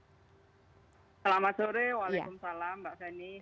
terima kasih telah bergabung bersama saya juga selamat sore juga selamat sore waalaikumsalam mbak fani